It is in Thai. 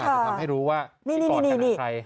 จะทำให้รู้ว่าพี่กรเป็นใคร